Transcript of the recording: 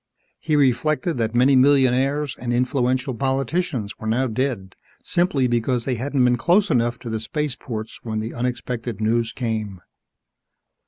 He reflected that many millionaires and influential politicians were now dead simply because they hadn't been close enough to the spaceports when the unexpected news came.